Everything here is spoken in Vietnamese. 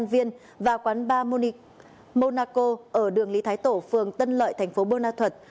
và quán ba monaco ở đường lý thái tổ phường tân lợi thành phố bù ma thuật